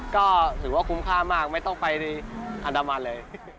ก็ถือว่าคุ้มค่ามากไม่ต้องไปในอันดามันเลย